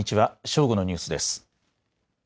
正午のニュースです。